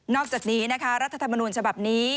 อกจากนี้นะคะรัฐธรรมนูญฉบับนี้